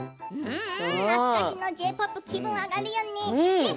懐かしのＪ−ＰＯＰ気分上がるよね。